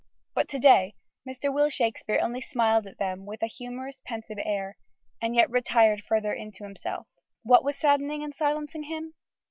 But to day Mr. Will Shakespeare only smiled at them with a humorous, pensive air, and retired yet further into himself. What was saddening and silencing him?